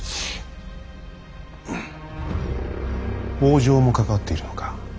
北条も関わっているのか。